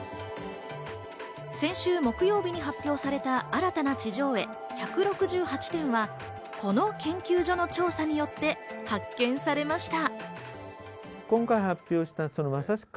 先週木曜日に発表された新たな地上絵１６８点はこの研究所の調査によって発見されました。